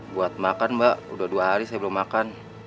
buat makan mbak udah dua hari saya belum makan